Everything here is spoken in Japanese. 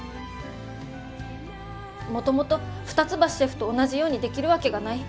もともと二ツ橋シェフと同じようにできるわけがない。